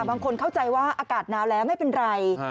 บางคนเข้าใจว่าอากาศหนาวแล้วไม่เป็นไร